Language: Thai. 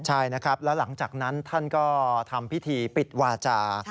ใช่นะครับแล้วหลังจากนั้นท่านก็ทำพิธีปิดวาจา